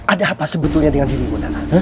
ada apa sebetulnya dengan dirimu nara